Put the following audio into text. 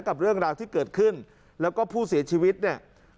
กับเรื่องราวที่เกิดขึ้นแล้วก็ผู้เสียชีวิตเนี่ย